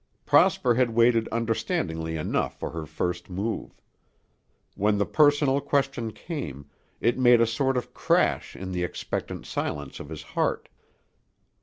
Prosper had waited understandingly enough for her first move. When the personal question came, it made a sort of crash in the expectant silence of his heart.